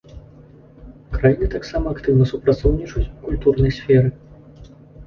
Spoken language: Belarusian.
Краіны таксама актыўна супрацоўнічаюць у культурнай сферы.